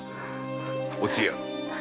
おつや。